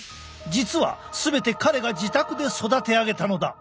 実は全て彼が自宅で育て上げたのだ。